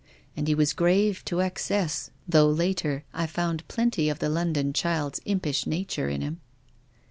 And he was grave to excess, though, later, I found plenty of the Lon don child's impish nature in him."